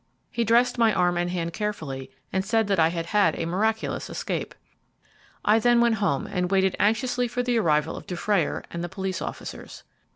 He dressed my arm and hand carefully, and said that I had had a miraculous escape. I then went home and waited anxiously for the arrival of Dufrayer and the police officers.